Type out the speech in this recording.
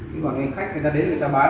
khi mà người khách người ta đến người ta bán